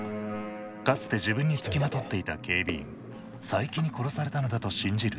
かつて自分につきまとっていた警備員佐伯に殺されたのだと信じる徹生。